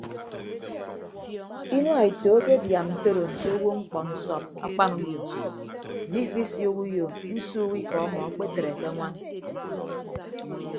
Inua eto akebiaam ntoro nte owo mkpọ nsọp akpanuyom mmikpisiooho uyo nsuuk ikọ ọmọ akpetre ke añwan.